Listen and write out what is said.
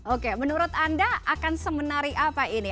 oke menurut anda akan semenari apa ini